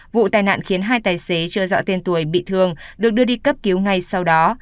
vụ tai nạn khiến hai tài xế chưa rõ tên tuổi bị thương được đưa đi cấp cứu ngay sau đó